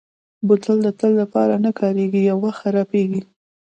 بوتل د تل لپاره نه کارېږي، یو وخت خرابېږي.